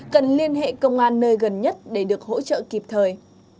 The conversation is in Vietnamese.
cần liên hệ công an nơi gần nhất để được hỗ trợ kịp thời